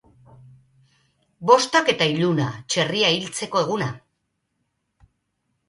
Bostak eta iluna, txerria hiltzeko eguna.